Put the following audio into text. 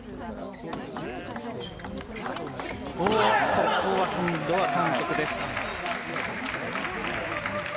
ここは今度は韓国です。